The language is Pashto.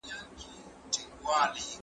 بورجیګین وايي چې دا امکان لري.